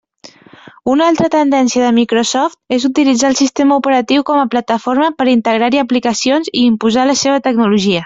Una altra tendència de Microsoft és utilitzar el sistema operatiu com a plataforma per integrar-hi aplicacions i imposar la seva tecnologia.